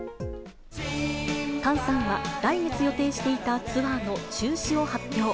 ＫＡＮさんは、来月予定していたツアーの中止を発表。